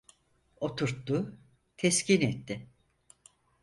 Oturttu, teskin etti.